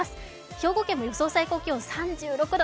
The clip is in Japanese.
兵庫県も予想最高気温３６度。